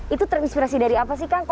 itu terinspirasi dari apa sih kang